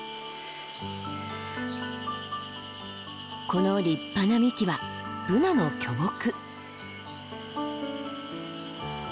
この立派な幹はブナの巨木。